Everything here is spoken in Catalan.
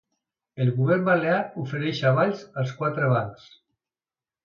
El govern balear ofereix avals als quatre bancs